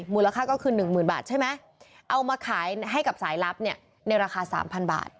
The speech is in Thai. มูลค่าก็คือ๑๐๐๐บาทใช่ไหมเอามาขายให้กับสายลับเนี่ยในราคา๓๐๐บาท